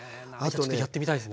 ちょっとやってみたいですね。